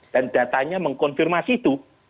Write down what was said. dan datanya mengkonfirmasi itu